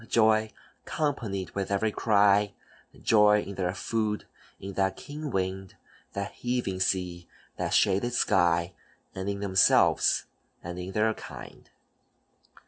Joy companied with every cry, Joy in their food, in that keen wind, That heaving sea, that shaded sky, And in themselves, and in their kind.